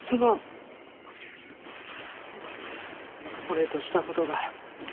俺としたことが。